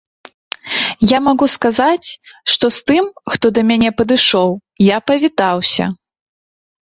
Я магу сказаць, што з тым, хто да мяне падышоў, я павітаўся.